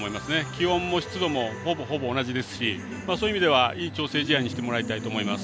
気温も湿度もほぼほぼ同じですしそういう意味ではいい調整試合にしてほしいと思います。